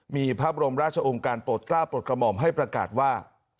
มีพระบรมราชองค์การโปรดกล้าปลดกระหม่อมให้ประกาศว่า